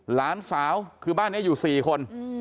หลานสาวคือบ้านนี้อยู่๔คน